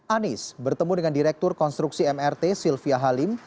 anies bertemu dengan direktur konstruksi mrt sylvia halim